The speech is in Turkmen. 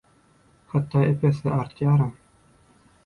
Hatda epesli artýaram.